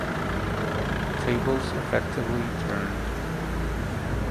Tables effectively turned.